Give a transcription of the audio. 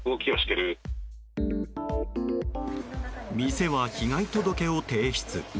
店は被害届を提出。